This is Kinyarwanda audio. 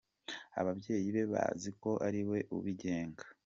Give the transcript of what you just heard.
Ababyeyi be bazi ko ari we ubenga.